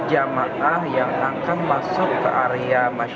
jamaah yang akan masuk ke area masjid